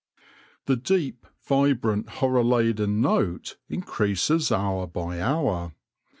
The deep, vibrant, horror laden note increases hour by hour.